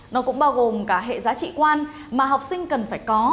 nó cũng bao gồm cả hệ giá trị quan mà học sinh cần phải có